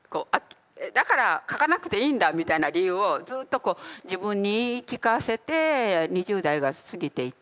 だから書かなくていいんだみたいな理由をずうっとこう自分に言い聞かせて２０代が過ぎていて。